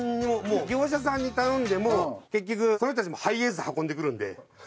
業者さんに頼んでも結局その人たちもハイエースで運んでくるんで。